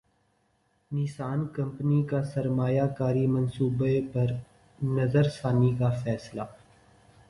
نسان company کا سرمایہ کاری منصوبے پر نظرثانی کا فیصلہ